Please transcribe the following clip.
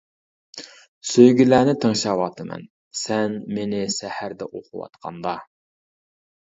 سۆيگۈلەرنى تىڭشاۋاتىمەن، سەن مېنى سەھەردە ئوقۇۋاتقاندا.